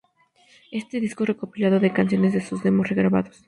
Este disco es un recopilado de canciones de sus demos regrabados.